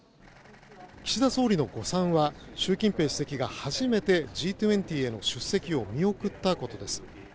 岸田総理の誤算は習近平国家主席が初めてＧ２０への出席を見送ったことです。